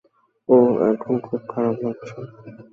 ওহ, এখন খুব খারাপ লাগছে।